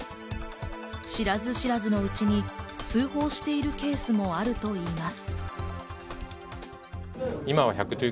知らず知らずのうちに通報しているケースもあるといいます。